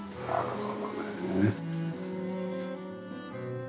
なるほど。